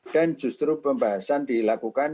dan justru pembahasan dilakukan